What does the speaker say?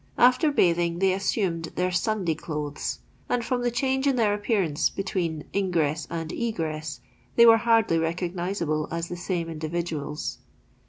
After bathing they assumed their "Sunday clothes;" and from tho change in their appearance between ingress and egress, they were hardly recognisable as the some indi viduals.